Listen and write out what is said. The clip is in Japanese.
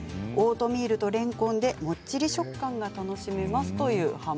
オートミールと、れんこんでもっちり食感が楽しめますということです。